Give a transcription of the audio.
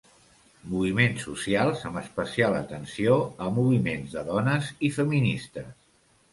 Moviments socials, amb especial atenció a moviments de dones i feministes.